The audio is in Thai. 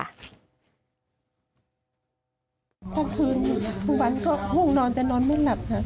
ถ้าคืนบ้านก็ห่วงนอนแต่นอนไม่หลับค่ะ